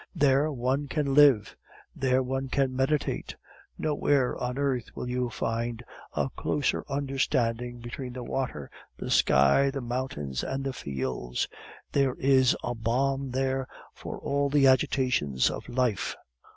There one can live; there one can meditate. Nowhere on earth will you find a closer understanding between the water, the sky, the mountains, and the fields. There is a balm there for all the agitations of life.